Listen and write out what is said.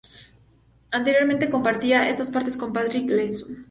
Anteriormente, compartía estos partes con Patrick Gleeson.